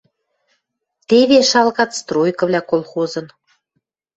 Теве шалгат стройкывлӓ колхозын;